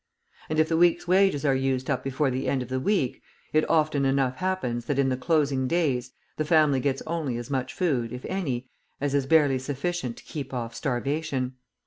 And, if the week's wages are used up before the end of the week, it often enough happens that in the closing days the family gets only as much food, if any, as is barely sufficient to keep off starvation.